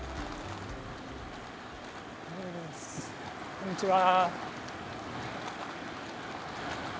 こんにちは！